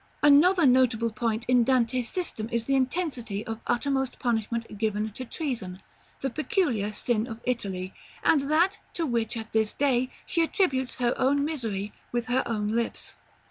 § LX. Another notable point in Dante's system is the intensity of uttermost punishment given to treason, the peculiar sin of Italy, and that to which, at this day, she attributes her own misery with her own lips.